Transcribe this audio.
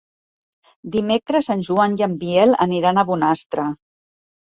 Dimecres en Joan i en Biel aniran a Bonastre.